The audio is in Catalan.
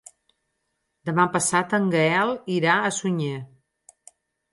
Demà passat en Gaël irà a Sunyer.